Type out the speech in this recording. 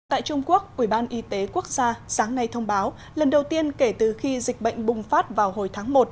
tại trung quốc ủy ban y tế quốc gia sáng nay thông báo lần đầu tiên kể từ khi dịch bệnh bùng phát vào hồi tháng một